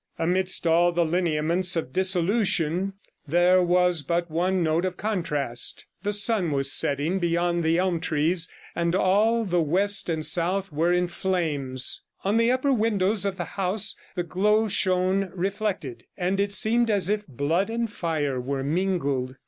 Amidst all the lineaments of dissolution there was but one note of contrast: the sun was setting beyond the elm trees; and all the west and south were in flames; on the upper windows of the house the glow shone reflected, and it seemed as if blood and fire were mingled.